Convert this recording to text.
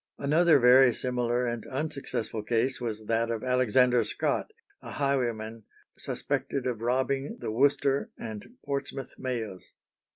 Another very similar and unsuccessful case was that of Alexander Scott, a highwayman suspected of robbing the Worcester and Portsmouth mails.